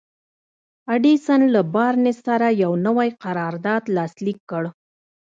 ايډېسن له بارنس سره يو نوی قرارداد لاسليک کړ.